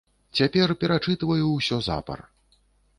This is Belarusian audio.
Цяпер перачытваю ўсё запар.